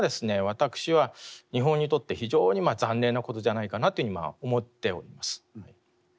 私は日本にとって非常に残念なことじゃないかなというふうに今思っております。